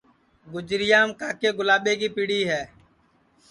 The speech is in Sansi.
گُجریام کاکے گُلاٻے کی پیڑی ہے